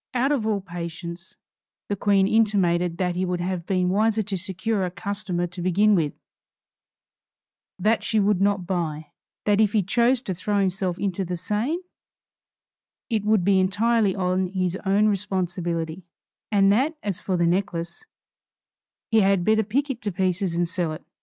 Out of all patience, the Queen intimated that he would have been wiser to secure a customer to begin with; that she would not buy; that if he chose to throw himself into the Seine it would be entirely on his own responsibility; and that as for the necklace, he had better pick it to pieces and sell it.